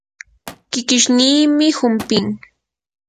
kikishniimi humpin.